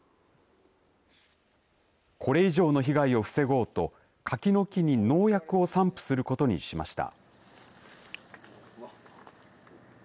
これ以上の被害を防ごうと柿の木に農薬を散布することにしました。